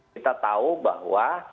kita tahu bahwa